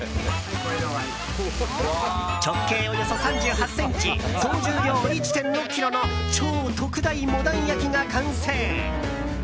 直径およそ３８ｃｍ総重量１．６ｋｇの超特大モダン焼きが完成。